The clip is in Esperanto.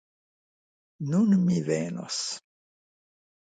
Nun mi venos!